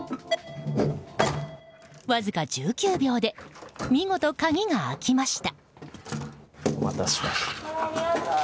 わずか１９秒で見事、鍵が開きました。